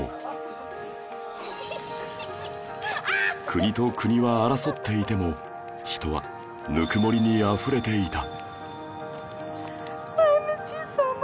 国と国は争っていても人はぬくもりにあふれていた